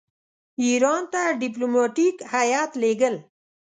ایران ته ډیپلوماټیک هیات لېږل.